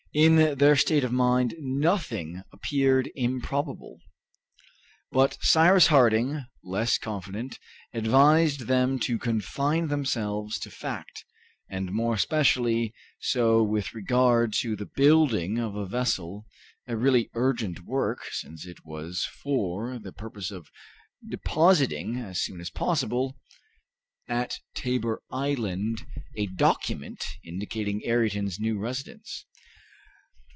In their state of mind nothing appeared improbable. But Cyrus Harding, less confident, advised them to confine themselves to fact, and more especially so with regard to the building of a vessel a really urgent work, since it was for the purpose of depositing, as soon as possible, at Tabor Island a document indicating Ayrton's new residence.